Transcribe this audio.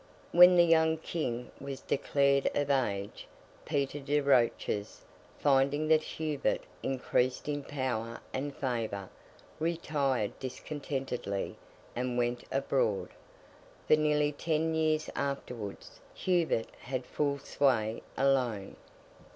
When the young King was declared of age, Peter de Roches, finding that Hubert increased in power and favour, retired discontentedly, and went abroad. For nearly ten years afterwards Hubert had full sway alone.